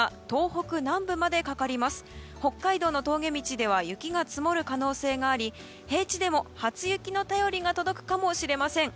北海道の峠道では雪が積もる可能性があり平地でも初雪の便りが届くかもしれません。